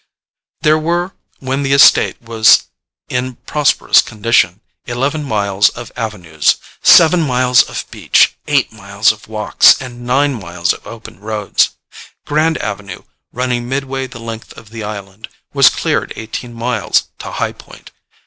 There were, when the estate was in prosperous condition, eleven miles of avenues, seven miles of beach, eight miles of walks and nine miles of open roads. Grand Avenue, running midway the length of the island, was cleared eighteen miles, to High Point.